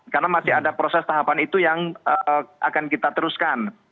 karena masih ada proses tahapan itu yang akan kita teruskan